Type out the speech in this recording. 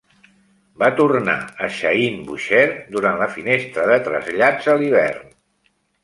Va tornar a Shahin Bushehr durant la finestra de trasllats a l'hivern.